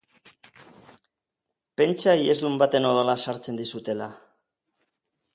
Pentsa hiesdun baten odola sartzen dizutela!